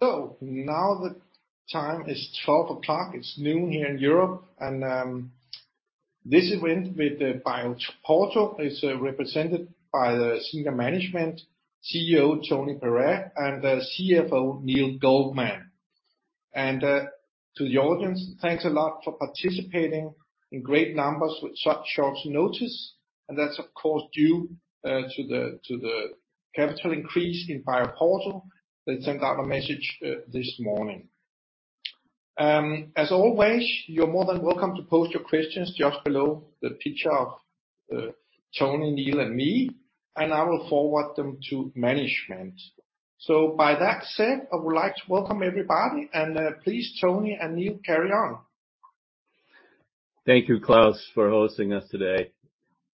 Now the time is 12:00. It's noon here in Europe, this event with BioPorto is represented by the senior management, CEO Tony Pare, and CFO Neil Goldman. To the audience, thanks a lot for participating in great numbers with such short notice, and that's, of course, due to the capital increase in BioPorto. They sent out a message this morning. As always, you're more than welcome to post your questions just below the picture of Tony, Neil, and me, and I will forward them to management. By that said, I would like to welcome everybody, please, Tony and Neil, carry on. Thank you, Klaus, for hosting us today.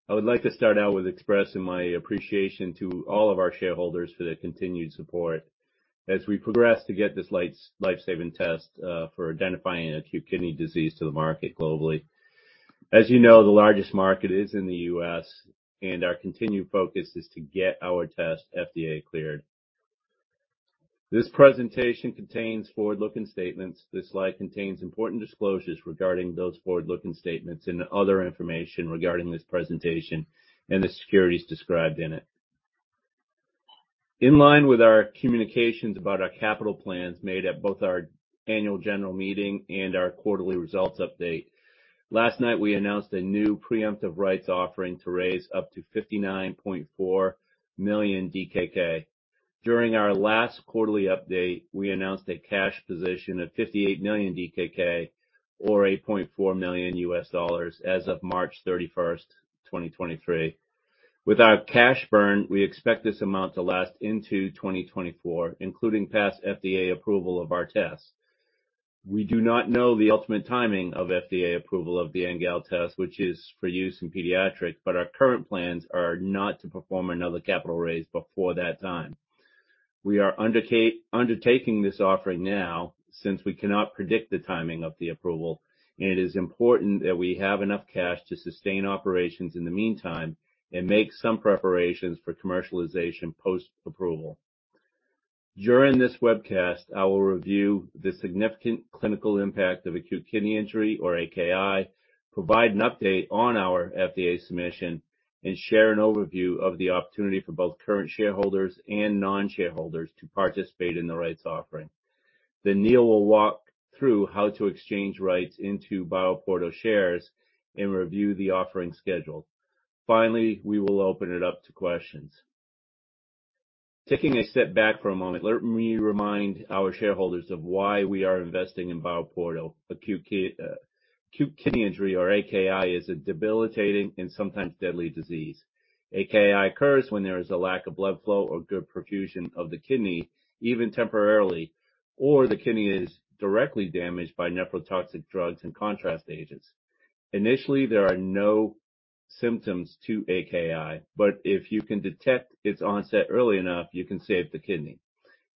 I would like to start out with expressing my appreciation to all of our shareholders for their continued support as we progress to get this life-saving test for identifying acute kidney disease to the market globally. As you know, the largest market is in the U.S. Our continued focus is to get our test FDA cleared. This presentation contains forward-looking statements. This slide contains important disclosures regarding those forward-looking statements and other information regarding this presentation and the securities described in it. In line with our communications about our capital plans made at both our annual general meeting and our quarterly results update, last night, we announced a new preemptive rights offering to raise up to 59.4 million DKK. During our last quarterly update, we announced a cash position of 58 million DKK, or $8.4 million as of March 31st, 2023. With our cash burn, we expect this amount to last into 2024, including past FDA approval of our test. We do not know the ultimate timing of FDA approval of The NGAL Test, which is for use in pediatrics, but our current plans are not to perform another capital raise before that time. We are undertaking this offering now, since we cannot predict the timing of the approval, and it is important that we have enough cash to sustain operations in the meantime and make some preparations for commercialization post-approval. During this webcast, I will review the significant clinical impact of acute kidney injury, or AKI, provide an update on our FDA submission, and share an overview of the opportunity for both current shareholders and non-shareholders to participate in the rights offering. Neil will walk through how to exchange rights into BioPorto shares and review the offering schedule. Finally, we will open it up to questions. Taking a step back for a moment, let me remind our shareholders of why we are investing in BioPorto. Acute kidney injury, or AKI, is a debilitating and sometimes deadly disease. AKI occurs when there is a lack of blood flow or good perfusion of the kidney, even temporarily, or the kidney is directly damaged by nephrotoxic drugs and contrast agents. Initially, there are no symptoms to AKI. If you can detect its onset early enough, you can save the kidney.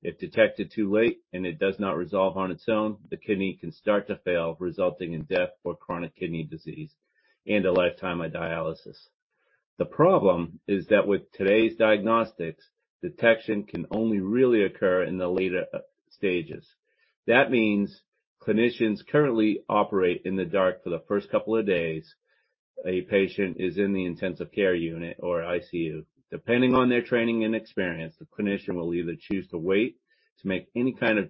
If detected too late and it does not resolve on its own, the kidney can start to fail, resulting in death or chronic kidney disease and a lifetime of dialysis. The problem is that with today's diagnostics, detection can only really occur in the later stages. Clinicians currently operate in the dark for the first couple of days a patient is in the intensive care unit or ICU. Depending on their training and experience, the clinician will either choose to wait to make any kind of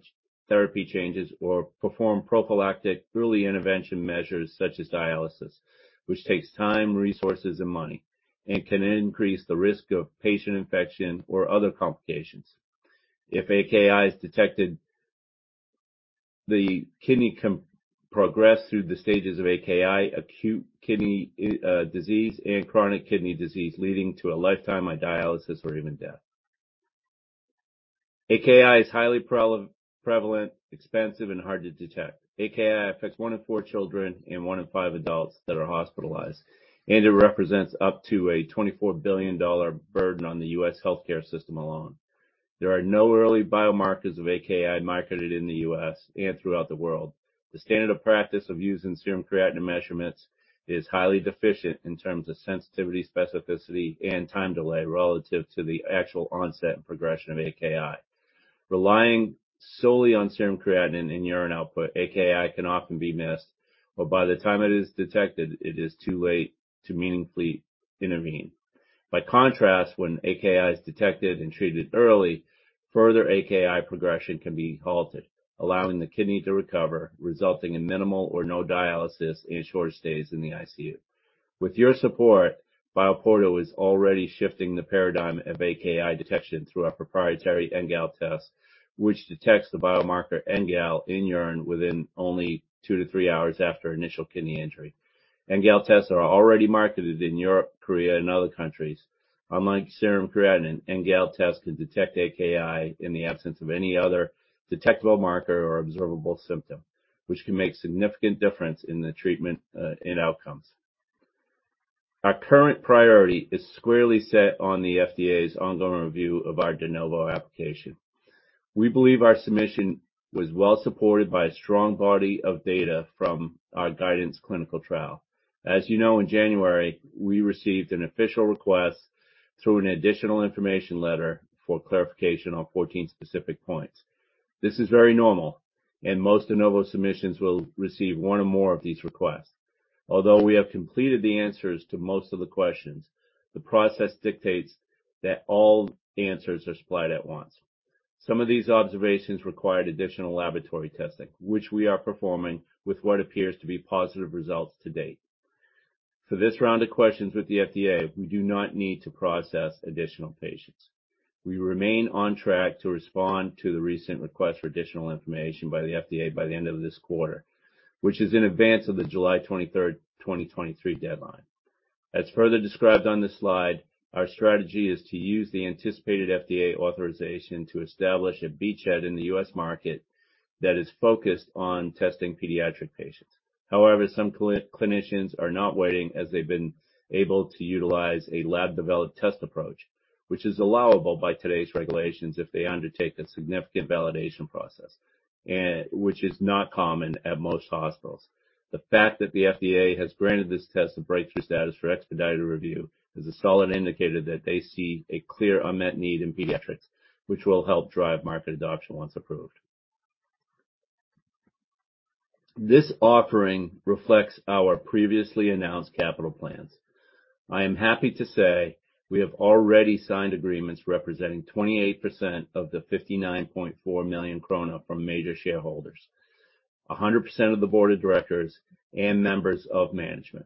therapy changes or perform prophylactic early intervention measures, such as dialysis, which takes time, resources, and money, and can increase the risk of patient infection or other complications. If AKI is detected, the kidney can progress through the stages of AKI, acute kidney disease and chronic kidney disease, leading to a lifetime of dialysis or even death. AKI is highly prevalent, expensive, and hard to detect. AKI affects one in four children and 1 in 5 adults that are hospitalized, and it represents up to a $24 billion burden on the U.S. healthcare system alone. There are no early biomarkers of AKI marketed in the U.S. and throughout the world. The standard of practice of using serum creatinine measurements is highly deficient in terms of sensitivity, specificity, and time delay relative to the actual onset and progression of AKI. Relying solely on serum creatinine and urine output, AKI can often be missed, but by the time it is detected, it is too late to meaningfully intervene. When AKI is detected and treated early, further AKI progression can be halted, allowing the kidney to recover, resulting in minimal or no dialysis and shorter stays in the ICU. With your support, BioPorto is already shifting the paradigm of AKI detection through our proprietary NGAL test, which detects the biomarker NGAL in urine within only two to three hours after initial acute kidney injury. NGAL tests are already marketed in Europe, Korea, and other countries. Unlike serum creatinine, NGAL tests can detect AKI in the absence of any other detectable marker or observable symptom, which can make significant difference in the treatment and outcomes. Our current priority is squarely set on the FDA's ongoing review of our De Novo application. We believe our submission was well supported by a strong body of data from our GUIDANCE clinical trial. As you know, in January, we received an official request through an Additional Information letter for clarification on 14 specific points. This is very normal, and most De Novo submissions will receive one or more of these requests. Although we have completed the answers to most of the questions, the process dictates that all answers are supplied at once. Some of these observations required additional laboratory testing, which we are performing with what appears to be positive results to date. For this round of questions with the FDA, we do not need to process additional patients. We remain on track to respond to the recent request for additional information by the FDA by the end of this quarter, which is in advance of the July 23rd, 2023 deadline. As further described on this slide, our strategy is to use the anticipated FDA authorization to establish a beachhead in the U.S. market that is focused on testing pediatric patients. Clinicians are not waiting, as they've been able to utilize a lab-developed test approach, which is allowable by today's regulations if they undertake a significant validation process, and which is not common at most hospitals. The fact that the FDA has granted this test a Breakthrough status for expedited review is a solid indicator that they see a clear unmet need in pediatrics, which will help drive market adoption once approved. This offering reflects our previously announced capital plans. I am happy to say we have already signed agreements representing 28% of the 59.4 million krone from major shareholders, 100% of the board of directors and members of management.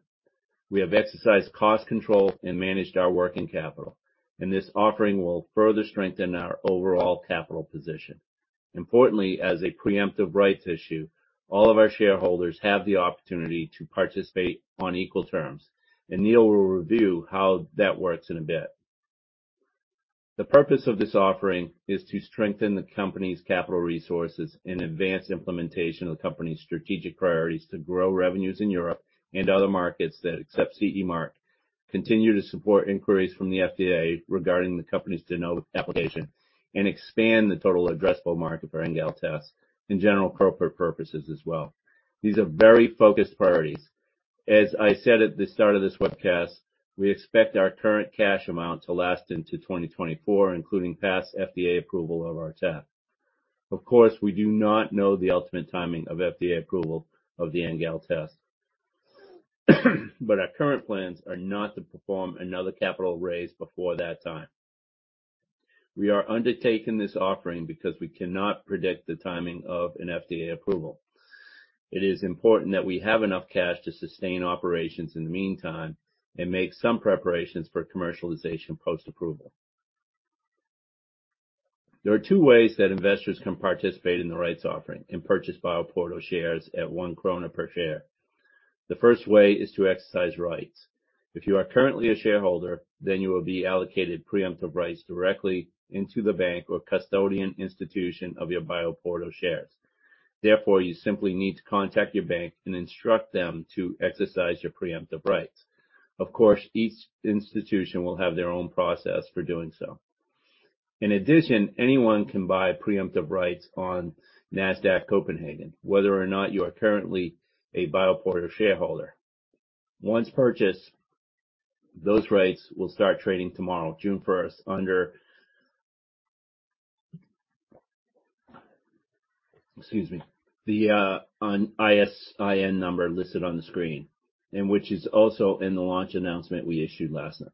We have exercised cost control and managed our working capital. This offering will further strengthen our overall capital position. Importantly, as a preemptive rights issue, all of our shareholders have the opportunity to participate on equal terms. Neil will review how that works in a bit. The purpose of this offering is to strengthen the company's capital resources and advance implementation of the company's strategic priorities to grow revenues in Europe and other markets that accept CE mark, continue to support inquiries from the FDA regarding the company's De Novo application, and expand the total addressable market for NGAL Test and general corporate purposes as well. These are very focused priorities. As I said at the start of this webcast, we expect our current cash amount to last into 2024, including past FDA approval of our test. We do not know the ultimate timing of FDA approval of The NGAL Test, but our current plans are not to perform another capital raise before that time. We are undertaking this offering because we cannot predict the timing of an FDA approval. It is important that we have enough cash to sustain operations in the meantime and make some preparations for commercialization post-approval. There are two ways that investors can participate in the rights offering and purchase BioPorto shares at 1 krone per share. The first way is to exercise rights. If you are currently a shareholder, then you will be allocated preemptive rights directly into the bank or custodian institution of your BioPorto shares. You simply need to contact your bank and instruct them to exercise your preemptive rights. Each institution will have their own process for doing so. In addition, anyone can buy preemptive rights on Nasdaq Copenhagen, whether or not you are currently a BioPorto shareholder. Once purchased, those rights will start trading tomorrow, June 1st, under the ISIN number listed on the screen, which is also in the launch announcement we issued last night.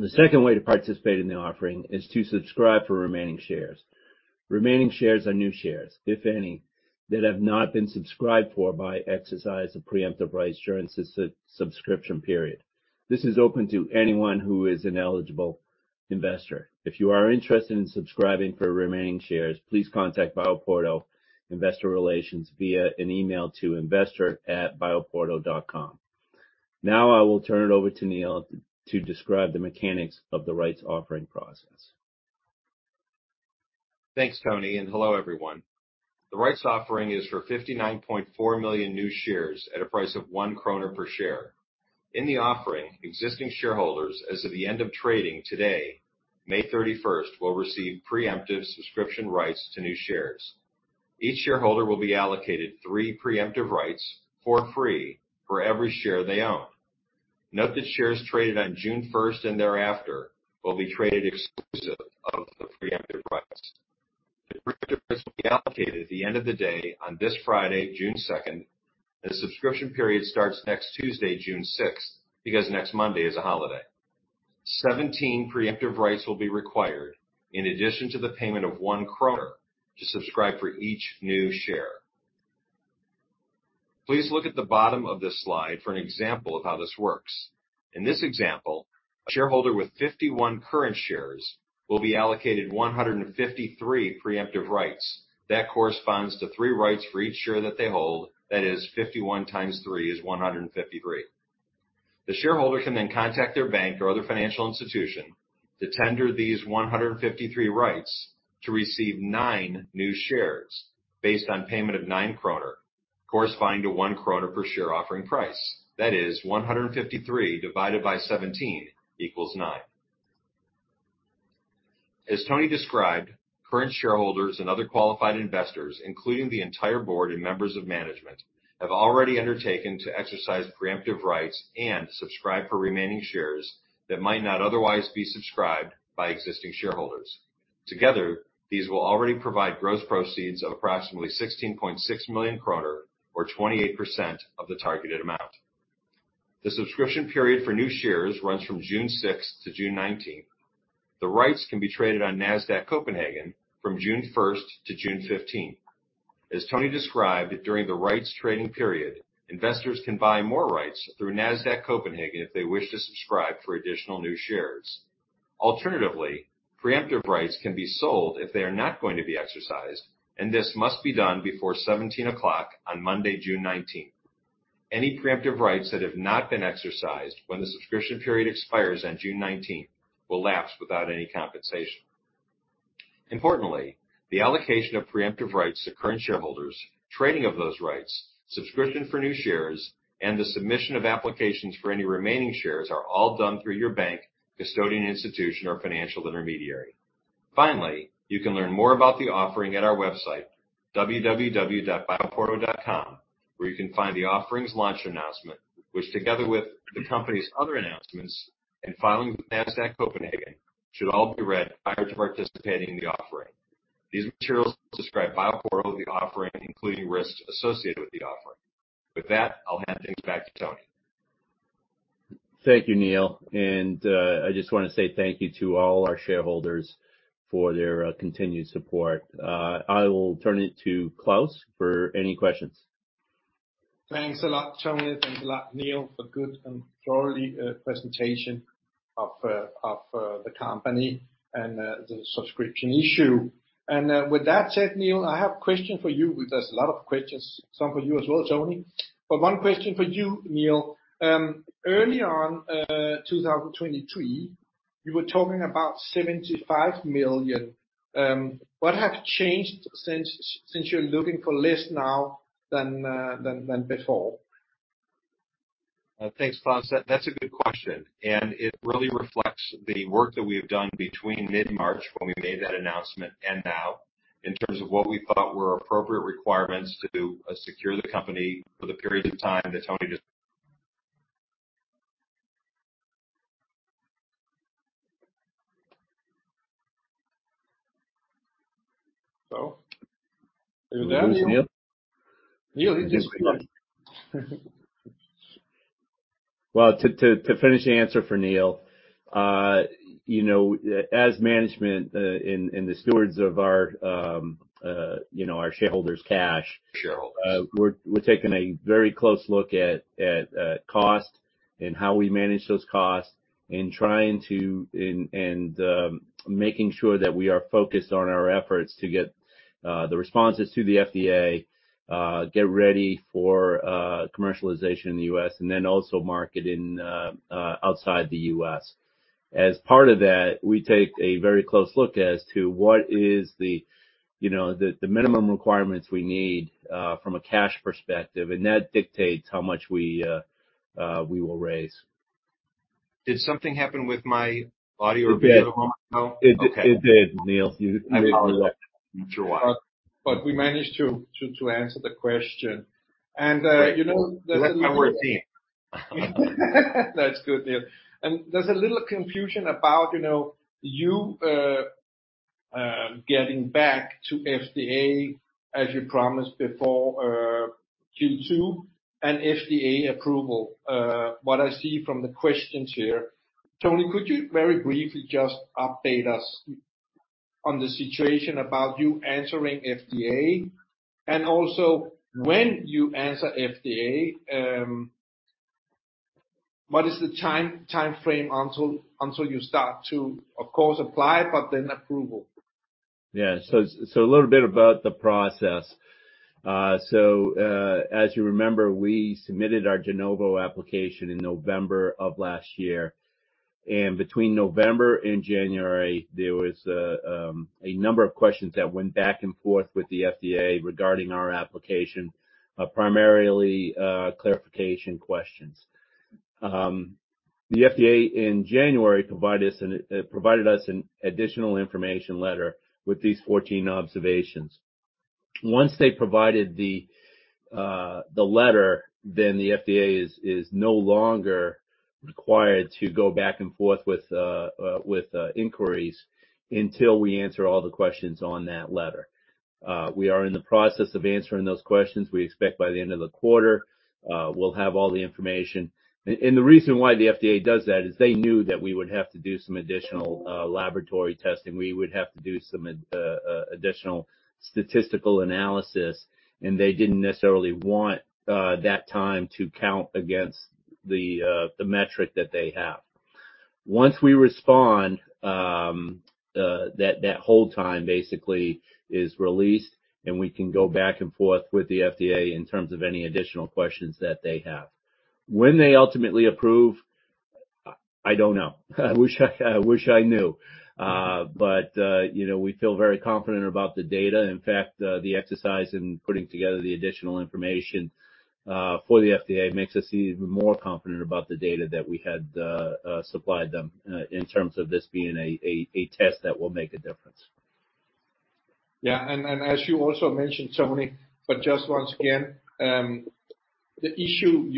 The second way to participate in the offering is to subscribe for remaining shares. Remaining shares are new shares, if any, that have not been subscribed for by exercise of preemptive rights during this subscription period. This is open to anyone who is an eligible investor. If you are interested in subscribing for remaining shares, please contact BioPorto Investor Relations via an email to investor@bioporto.com. Now, I will turn it over to Neil to describe the mechanics of the rights offering process. Hello, everyone. The rights offering is for 59.4 million new shares at a price of 1 kroner per share. In the offering, existing shareholders, as of the end of trading today, May 31st, will receive preemptive subscription rights to new shares. Each shareholder will be allocated three preemptive rights for free, for every share they own. Note that shares traded on June first and thereafter will be traded exclusive of the preemptive rights. The rights will be allocated at the end of the day on this Friday, June 2nd. The subscription period starts next Tuesday, June 6th, because next Monday is a holiday. 17 preemptive rights will be required in addition to the payment of 1 kroner to subscribe for each new share. Please look at the bottom of this slide for an example of how this works. In this example, a shareholder with 51 current shares will be allocated 153 preemptive rights. That corresponds to three rights for each share that they hold. That is, 51 times 3 is 153. The shareholder can then contact their bank or other financial institution to tender these 153 rights to receive 9 new shares based on payment of 9 kroner, corresponding to 1 kroner per share offering price. That is 153 / 17 = 9. As Tony described, current shareholders and other qualified investors, including the entire board and members of management, have already undertaken to exercise preemptive rights and subscribe for remaining shares that might not otherwise be subscribed by existing shareholders. Together, these will already provide gross proceeds of approximately 16.6 million kroner, or 28% of the targeted amount. The subscription period for new shares runs from June 6th to June 19th. The rights can be traded on Nasdaq Copenhagen from June 1st to June 15th. As Tony described, during the rights trading period, investors can buy more rights through Nasdaq Copenhagen if they wish to subscribe for additional new shares. Alternatively, preemptive rights can be sold if they are not going to be exercised. This must be done before 5:00 P.M. on Monday, June 19th. Any preemptive rights that have not been exercised when the subscription period expires on June 19th will lapse without any compensation. Importantly, the allocation of preemptive rights to current shareholders, trading of those rights, subscription for new shares, and the submission of applications for any remaining shares are all done through your bank, custodian institution, or financial intermediary. You can learn more about the offering at our website, www.bioporto.com, where you can find the offerings launch announcement, which, together with the company's other announcements and filings with Nasdaq Copenhagen, should all be read prior to participating in the offering. These materials describe BioPorto, the offering, including risks associated with the offering. With that, I'll hand things back to Tony. Thank you, Neil. I just want to say thank you to all our shareholders for their, continued support. I will turn it to Klaus for any questions. Thanks a lot, Tony. Thanks a lot, Neil, for good and thoroughly presentation of the company and the subscription issue. With that said, Neil, I have a question for you. There's a lot of questions, some for you as well, Tony, but one question for you, Neil. Early on 2023, you were talking about 75 million. What have changed since you're looking for less now than before? Thanks, Klaus. That's a good question, and it really reflects the work that we have done between mid-March, when we made that announcement, and now, in terms of what we thought were appropriate requirements to secure the company for the period of time that Tony just. Are you there? Neil? Neil, you just. Well, to finish the answer for Neil. you know, as management, and the stewards of our, you know, our shareholders' cash- Shareholders we're taking a very close look at cost and how we manage those costs and making sure that we are focused on our efforts to get the responses to the FDA, get ready for commercialization in the U.S. and then also market in outside the U.S.. As part of that, we take a very close look as to what is the, you know, the minimum requirements we need from a cash perspective, and that dictates how much we will raise. Did something happen with my audio or video? It did. Okay. It did, Neil. I apologize. Sure. We managed to answer the question. You know. That's why we're a team. That's good, Neil. There's a little confusion about, you know, you getting back to FDA, as you promised before Q2 and FDA approval, what I see from the questions here. Tony, could you very briefly just update us on the situation about you answering FDA? Also, when you answer FDA, what is the timeframe until you start to, of course, apply, but then approval? A little bit about the process. As you remember, we submitted our De Novo application in November of last year. Between November and January, there was a number of questions that went back and forth with the FDA regarding our application, primarily clarification questions. The FDA in January, provided us an Additional Information letter with these 14 observations. Once they provided the letter, the FDA is no longer required to go back and forth with inquiries until we answer all the questions on that letter. We are in the process of answering those questions. We expect by the end of the quarter, we'll have all the information. The reason why the FDA does that is they knew that we would have to do some additional laboratory testing. We would have to do some additional statistical analysis, and they didn't necessarily want that time to count against the metric that they have. Once we respond, that hold time basically is released, and we can go back and forth with the FDA in terms of any additional questions that they have. When they ultimately approve? I don't know. I wish I knew. You know, we feel very confident about the data. In fact, the exercise in putting together the Additional Information for the FDA makes us even more confident about the data that we had supplied them in terms of this being a test that will make a difference. Yeah. As you also mentioned, Tony, just once again, the issue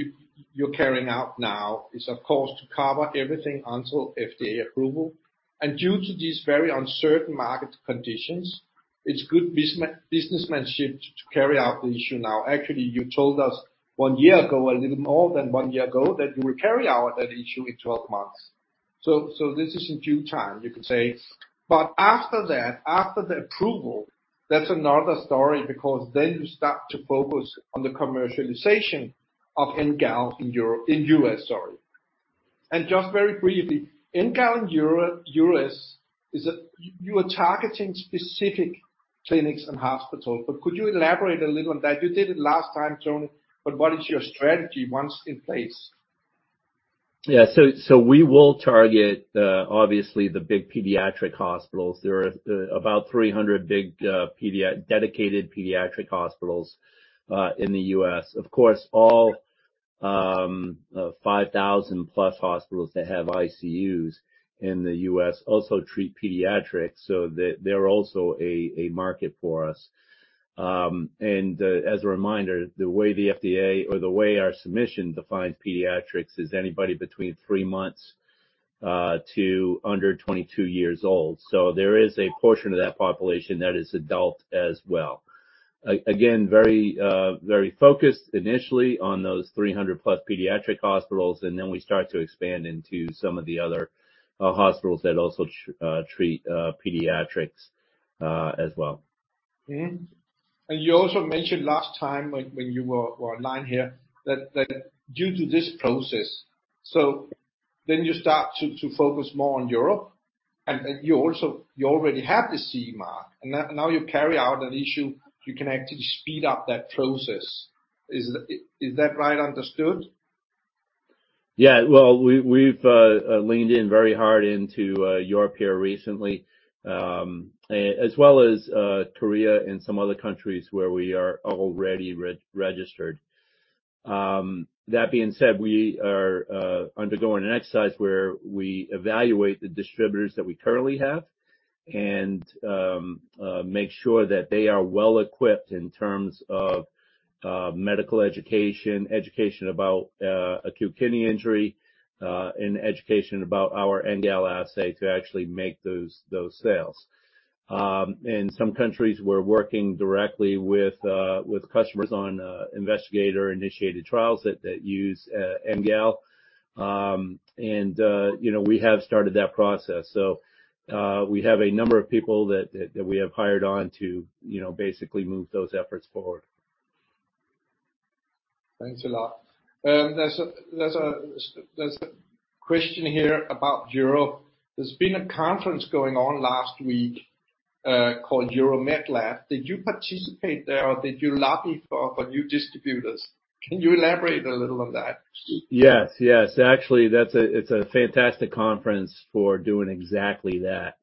you're carrying out now is, of course, to cover everything until FDA approval. Due to these very uncertain market conditions, it's good businessmanship to carry out the issue now. Actually, you told us 1 year ago, a little more than 1 year ago, that you would carry out that issue in 12 months. This is in due time, you could say. After that, after the approval, that's another story, because then you start to focus on the commercialization of NGAL in U.S., sorry. Just very briefly, NGAL in U.S., is that you are targeting specific clinics and hospitals, could you elaborate a little on that? You did it last time, Tony, what is your strategy once in place? Yeah. We will target, obviously, the big pediatric hospitals. There are about 300 big, dedicated pediatric hospitals in the U.S. Of course, all 5,000+ hospitals that have ICUs in the U.S. also treat pediatrics, they're also a market for us. As a reminder, the way the FDA or the way our submission defines pediatrics is anybody between three months to under 22 years old. There is a portion of that population that is adult as well. Again, very, very focused initially on those 300+ pediatric hospitals, and then we start to expand into some of the other hospitals that also treat pediatrics as well. You also mentioned last time when you were online here, that due to this process, so then you start to focus more on Europe, and you already have the CE mark, and now you carry out an issue, you can actually speed up that process. Is that right understood? Well, we've leaned in very hard into Europe here recently, as well as Korea and some other countries where we are already registered. That being said, we are undergoing an exercise where we evaluate the distributors that we currently have and make sure that they are well equipped in terms of medical education about acute kidney injury, and education about our NGAL assay to actually make those sales. In some countries, we're working directly with customers on investigator-initiated trials that use NGAL. You know, we have started that process. We have a number of people that we have hired on to, you know, basically move those efforts forward. Thanks a lot. There's a question here about Europe. There's been a conference going on last week, called EuroMedLab. Did you participate there, or did you lobby for new distributors? Can you elaborate a little on that? Yes, yes. Actually, that's a fantastic conference for doing exactly that,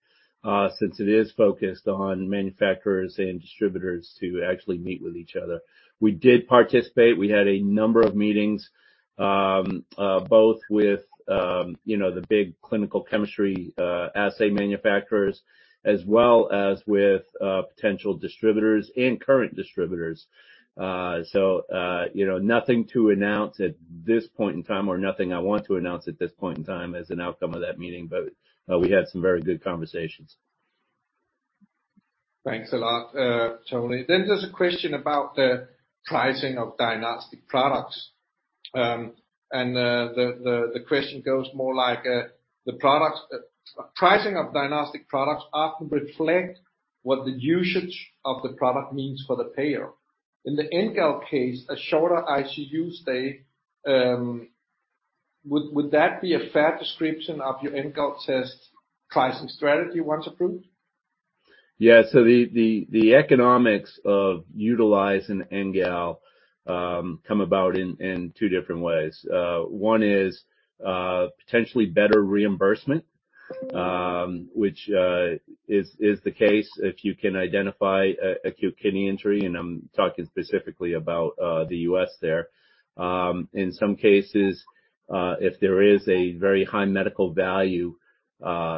since it is focused on manufacturers and distributors to actually meet with each other. We did participate. We had a number of meetings, both with, you know, the big clinical chemistry assay manufacturers, as well as with potential distributors and current distributors. You know, nothing to announce at this point in time, or nothing I want to announce at this point in time as an outcome of that meeting, but we had some very good conversations. Thanks a lot, Tony. There's a question about the pricing of diagnostic products. The question goes more like, "pricing of diagnostic products often reflect what the usage of the product means for the payer. In the NGAL case, a shorter ICU stay, would that be a fair description of your NGAL test pricing strategy once approved? Yeah. The economics of utilizing NGAL come about in two different ways. One is potentially better reimbursement, which is the case if you can identify acute kidney injury, and I'm talking specifically about the U.S. there. In some cases, if there is a very high medical value,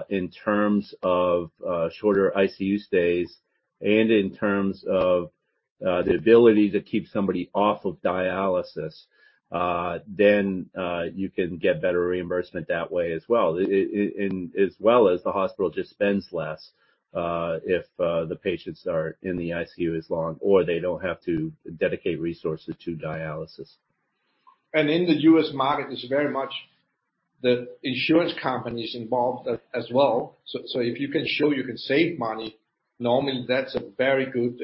in terms of shorter ICU stays and in terms of the ability to keep somebody off of dialysis, you can get better reimbursement that way as well. As well as the hospital just spends less, if the patients are in the ICU as long, or they don't have to dedicate resources to dialysis. In the U.S. market, it's very much the insurance companies involved as well. If you can show you can save money, normally that's a very good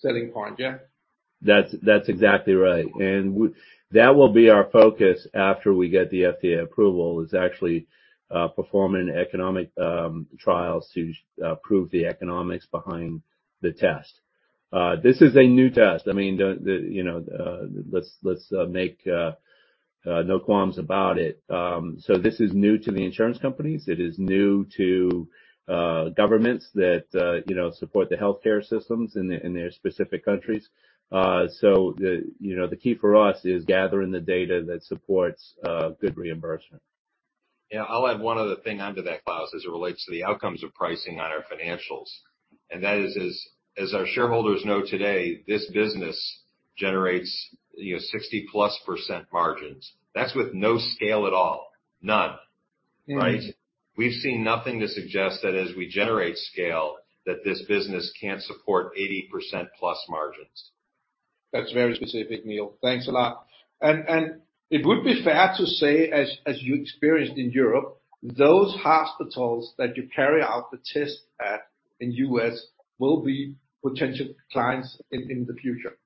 selling point, yeah? That's exactly right. That will be our focus after we get the FDA approval, is actually performing economic trials to prove the economics behind the test. This is a new test. I mean, you know, let's make no qualms about it. This is new to the insurance companies. It is new to governments that, you know, support the healthcare systems in their specific countries. The, you know, the key for us is gathering the data that supports good reimbursement. Yeah. I'll add one other thing onto that, Klaus, as it relates to the outcomes of pricing on our financials. That is, as our shareholders know today, this business generates, you know, 60%+ margins. That's with no scale at all. None, right? We've seen nothing to suggest that as we generate scale, that this business can't support 80%+ margins. That's very specific, Neil. Thanks a lot. It would be fair to say, as you experienced in Europe, those hospitals that you carry out the test at in U.S. will be potential clients in the future?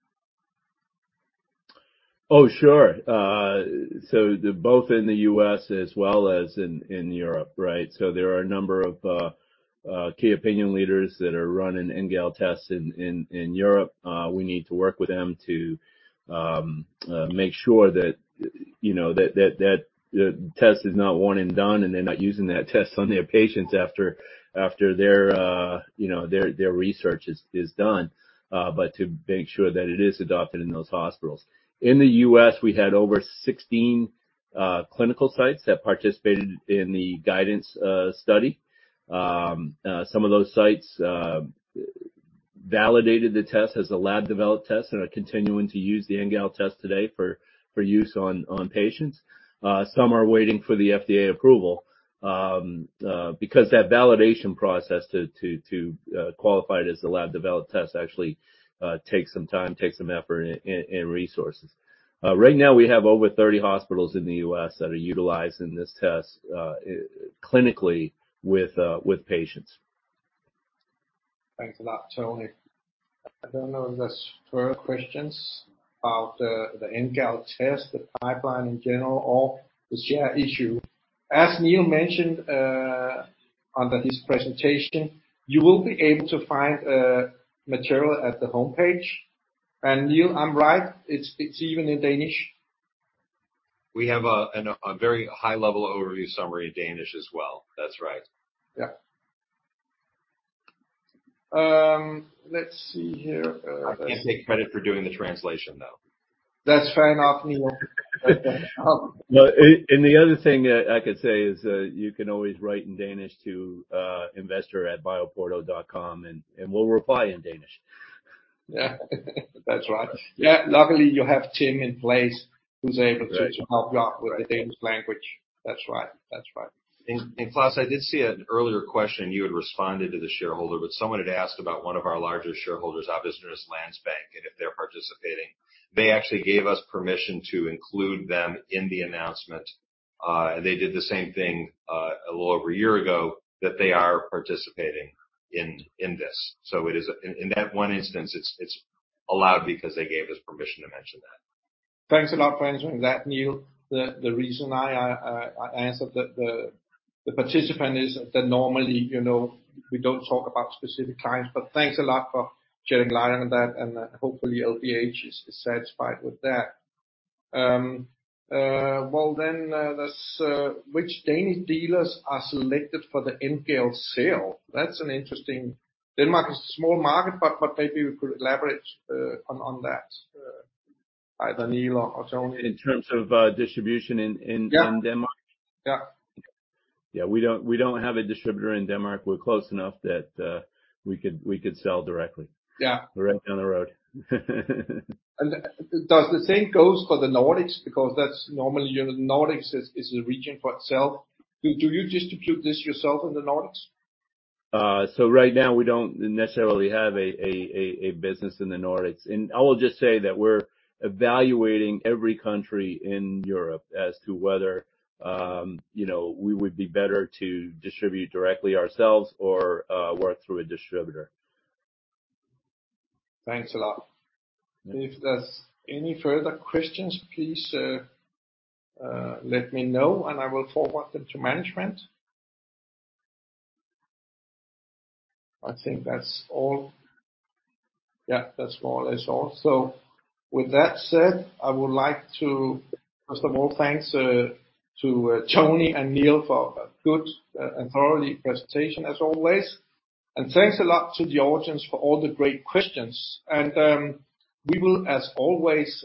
Oh, sure. Both in the U.S. as well as in Europe, right? There are a number of key opinion leaders that are running NGAL tests in Europe. We need to work with them to make sure that, you know, that the test is not one and done, and they're not using that test on their patients after their, you know, their research is done. To make sure that it is adopted in those hospitals. In the U.S., we had over 16 clinical sites that participated in the GUIDANCE study. Some of those sites validated the test as a lab-developed test and are continuing to use The NGAL Test today for use on patients. Some are waiting for the FDA approval, because that validation process to qualify it as a lab-developed test actually, takes some time, takes some effort and resources. Right now, we have over 30 hospitals in the U.S. that are utilizing this test, clinically with patients. Thanks a lot, Tony. I don't know if there's further questions about The NGAL Test, the pipeline in general or the share issue. As Neil mentioned, under his presentation, you will be able to find material at the homepage. Neil, I'm right, it's even in Danish? We have a, an, a very high-level overview summary in Danish as well. That's right. Yeah. Let's see here. I can't take credit for doing the translation, though. That's fair enough, Neil. The other thing that I could say is that you can always write in Danish to, investor@bioporto.com, and we'll reply in Danish. Yeah. That's right. Yeah, luckily, you have Tim in place. Right to help you out with the Danish language. That's right. That's right. Klaus, I did see an earlier question, you had responded to the shareholder, but someone had asked about one of our largest shareholders, Arbejdernes Landsbank, and if they're participating. They actually gave us permission to include them in the announcement, and they did the same thing, a little over a year ago, that they are participating in this. In that one instance, it's allowed because they gave us permission to mention that. Thanks a lot for answering that, Neil. The reason I answered the participant is that normally, you know, we don't talk about specific clients. Thanks a lot for shedding light on that, and hopefully, LBH is satisfied with that. Well, there's which Danish dealers are selected for the NGAL sale? That's an interesting. Denmark is a small market, but maybe you could elaborate on that, either Neil or Tony. In terms of, distribution. Yeah Denmark? Yeah. Yeah. We don't have a distributor in Denmark. We're close enough that we could sell directly. Yeah. We're right down the road. Does the same goes for the Nordics? Because that's normally, you know, Nordics is a region for itself. Do you distribute this yourself in the Nordics? Right now we don't necessarily have a business in the Nordics. I will just say that we're evaluating every country in Europe as to whether, you know, we would be better to distribute directly ourselves or work through a distributor. Thanks a lot. If there's any further questions, please, let me know, and I will forward them to management. I think that's all. Yeah, that's more or less all. With that said, I would like to, first of all, thanks to Tony and Neil for a good and thorough presentation, as always. Thanks a lot to the audience for all the great questions. We will, as always,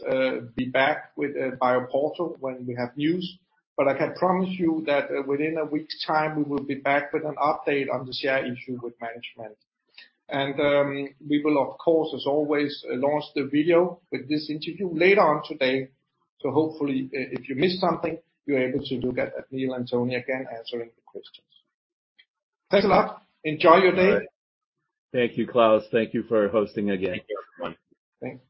be back with BioPorto when we have news, but I can promise you that within a week's time, we will be back with an update on the share issue with management. We will, of course, as always, launch the video with this interview later on today. Hopefully, if you missed something, you're able to look at Neil and Tony again, answering the questions. Thanks. Thanks a lot. Enjoy your day. All right. Thank you, Klaus. Thank you for hosting again. Thank you, everyone. Thanks. Yep.